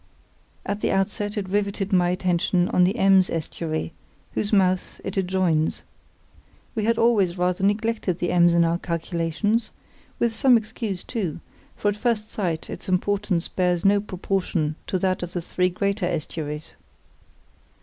At the outset it riveted my attention on the Ems estuary, whose mouth it adjoins. We had always rather neglected the Ems in our calculations; with some excuse, too, for at first sight its importance bears no proportion to that of the three greater estuaries.